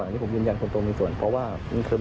นี่ผมยืงยังคนนั้นผมยื้อส่วน